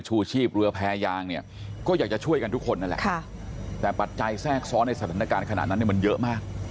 ชูชีพเรือแพรยางเนี่ยก็อยากจะช่วยกันทุกคนนั่นแหละแต่ปัจจัยแทรกซ้อนในสถานการณ์ขนาดนั้นเนี่ยมันเยอะมาก